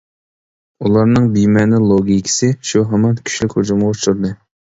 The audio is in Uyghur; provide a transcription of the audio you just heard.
ئۇلارنىڭ بىمەنە لوگىكىسى شۇ ھامان كۈچلۈك ھۇجۇمغا ئۇچرىدى.